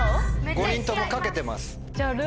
５人とも書けてます。